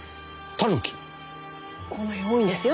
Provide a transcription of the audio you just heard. この辺多いんですよ